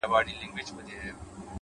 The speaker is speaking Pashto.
پوهه له زغم سره بشپړېږي,